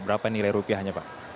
berapa nilai rupiahnya pak